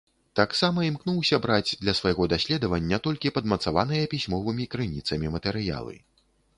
Таксама імкнуўся браць для свайго даследавання толькі падмацаваныя пісьмовымі крыніцамі матэрыялы.